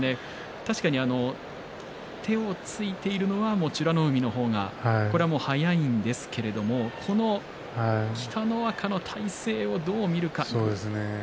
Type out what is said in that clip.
確かに手をついているのは美ノ海の方が速いんですけれども北の若の体勢をどう見るかですね。